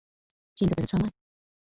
চিনতে পেরেছো আমায়?